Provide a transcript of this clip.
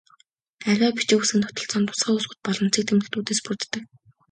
Аливаа бичиг үсгийн тогтолцоо нь тусгай үсгүүд болон цэг тэмдэгтүүдээс бүрддэг.